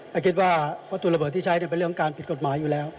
และคิดว่าวัตถุระเบิดที่ใช้เป็นเรื่องการผิดกฎหมายอยู่แล้ว